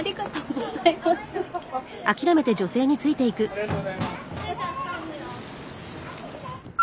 ありがとうございます。